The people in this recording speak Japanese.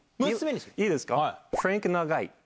いいですか？